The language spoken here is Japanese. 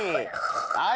はい。